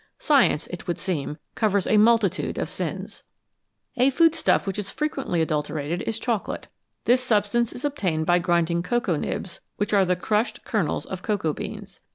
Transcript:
Science, it would seem, covers a multitude of sins. A food stuff' which is very frequently adulterated is chocolate. This substance is obtained by grinding cocoa nibs, which are the crushed kernels of cocoa beans.